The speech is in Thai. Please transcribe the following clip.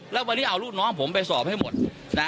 แล้ววันนี้เอาลูกน้องผมไปสอบให้หมดนะ